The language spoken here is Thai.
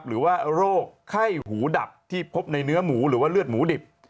หรือว่าโรคไข้หูดับที่พบในเนื้อหมูหรือว่าเลือดหมูดิบ